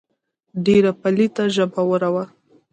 ډېره پليته ژبوره وه.